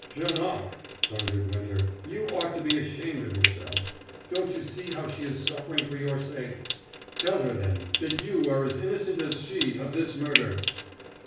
"Janoc," thundered Winter, "you ought to be ashamed of yourself. Don't you see how she is suffering for your sake? Tell her, then, that you are as innocent as she of this murder?"